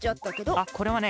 あっこれはね